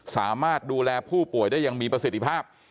สามารถดูแลผู้ป่วยได้ยังมีประสิทธิภาพ